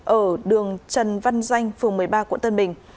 ở đường trần văn doanh phường một mươi ba quận tân bình